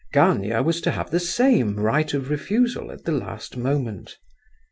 Gania was to have the same right of refusal at the last moment.